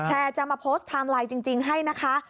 จะมาโพสต์ไทม์ไลน์จริงให้นะคะ